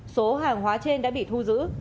số hàng hóa trên đã bị thu giữ